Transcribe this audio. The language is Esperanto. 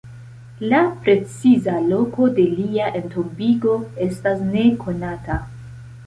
La preciza loko de lia entombigo estas nekonata.